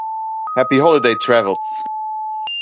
Happy Holiday Travels!